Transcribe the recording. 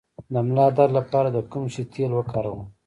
د ملا درد لپاره د کوم شي تېل وکاروم؟